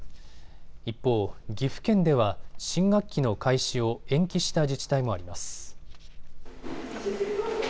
一方、岐阜県では新学期の開始を延期した自治体もあります。